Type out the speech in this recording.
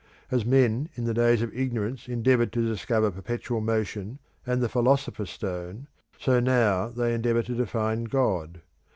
As men in the days of ignorance endeavoured to discover perpetual motion and the philosopher's stone, so now they endeavour to define God.